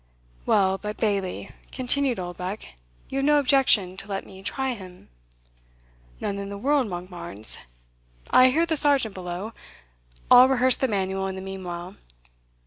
"Well, but, Bailie," continued Oldbuck, "you have no objection to let me try him?" "None in the world, Monkbarns. I hear the sergeant below I'll rehearse the manual in the meanwhile.